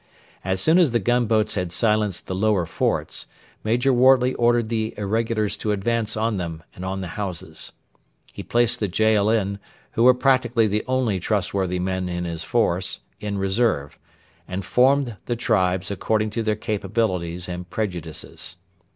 As soon as the gunboats had silenced the lower forts, Major Wortley ordered the irregulars to advance on them and on the houses. He placed the Jaalin, who were practically the only trustworthy men in his force, in reserve, and formed the tribes according to their capabilities and prejudices.